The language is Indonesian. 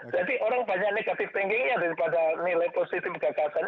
jadi orang banyak negative thinking nya daripada nilai positif gagasan